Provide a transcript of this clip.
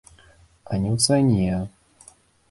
А не ў цане!